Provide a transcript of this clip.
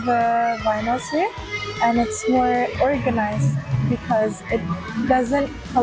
karena ini tidak berkeliling dengan ruang lain dan ruang lainnya juga